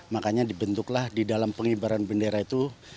makanya dibentuklah di dalam pengibaran bendera itu